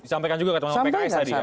disampaikan juga ke pks tadi ya